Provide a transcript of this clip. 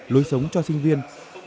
lối sống cho sinh viên